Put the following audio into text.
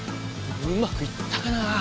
うまくいったかな？